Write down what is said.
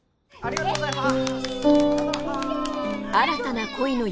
ありがとうございます。